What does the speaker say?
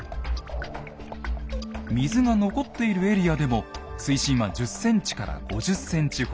水が残っているエリアでも水深は１０ｃｍから５０ｃｍほど。